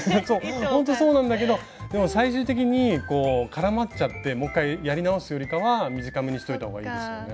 ほんとそうなんだけどでも最終的に絡まっちゃってもう一回やり直すよりかは短めにしといた方がいいですよね。